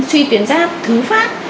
suy tuyến giáp thứ phát